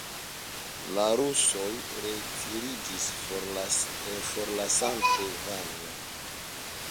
La rusoj retiriĝis, forlasante Van.